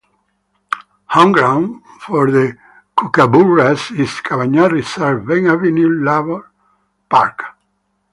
Home ground for the Kookaburras is Cavanagh Reserve, Venn Avenue Lalor Park.